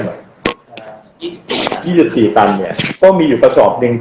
ยี่สิบสี่ตันยี่สิบสี่ตันเนี้ยก็มีอยู่กระสอบหนึ่ง